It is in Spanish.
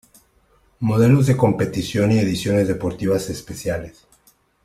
Modelos de competición y ediciones deportivas especiales.